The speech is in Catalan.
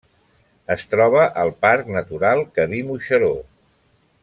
Es troba al Parc Natural Cadí-Moixeró.